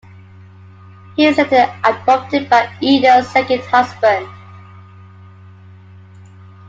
He was later adopted by Ida's second husband.